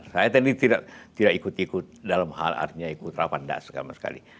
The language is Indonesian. saya tadi tidak ikut ikut dalam hal artinya ikut rapat tidak sama sekali